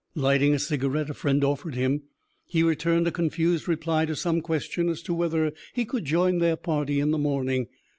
Lighting a cigarette a friend offered him, he returned a confused reply to some question as to whether he could join their party in the morning.